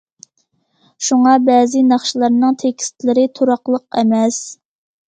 شۇڭا بەزى ناخشىلارنىڭ تېكىستلىرى تۇراقلىق ئەمەس.